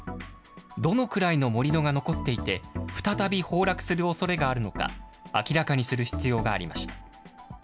どのくらいの盛り土が残っていて、再び崩落するおそれがあるのか、明らかにする必要がありました。